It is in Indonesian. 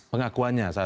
pengakuannya saat itu ya